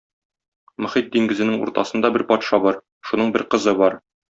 Мохит диңгезенең уртасында бер патша бар, шуның бер кызы бар.